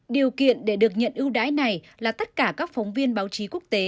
điều kiện để được nhận ưu đãi này là tất cả các phóng viên báo chí quốc tế